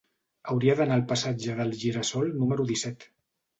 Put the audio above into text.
Hauria d'anar al passatge del Gira-sol número disset.